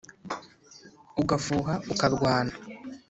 ugafuha ukarwana